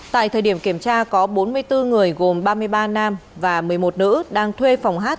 tại thời điểm kiểm tra có bốn mươi bốn người gồm ba mươi ba nam và một mươi một nữ đang thuê phòng hát